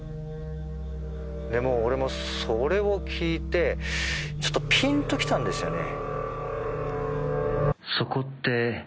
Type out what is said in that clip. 俺もそれを聞いてちょっとぴんときたんですよね。